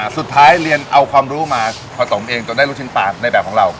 สุดท้ายเรียนเอาความรู้มาผสมเองจนได้ลูกชิ้นปลาในแบบของเรา